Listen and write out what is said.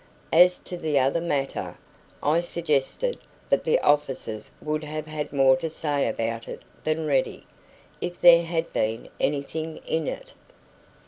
As to the other matter, I suggested that the officers would have had more to say about it than Ready, if there had been anything in it.